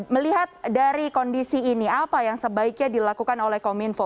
melihat dari kondisi ini apa yang sebaiknya dilakukan oleh kominfo